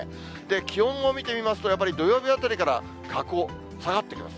気温を見てみますと、やっぱり土曜日あたりから下降、下がってきます。